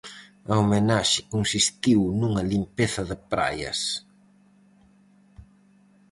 A homenaxe consistiu nunha limpeza de praias.